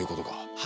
はい。